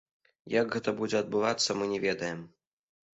Як гэта будзе адбывацца, мы не ведаем.